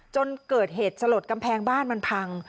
จนเกิดเหตุสลดกำแพงบ้านมันพัง